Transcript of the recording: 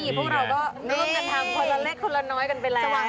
พวกเราก็ร่วมกันทำคนละเล็กคนละน้อยกันไปแล้ว